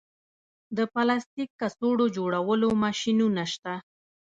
د پلاستیک کڅوړو جوړولو ماشینونه شته